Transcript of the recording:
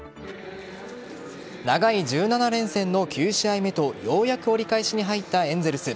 長い１７連戦の９試合目とようやく折り返しに入ったエンゼルス。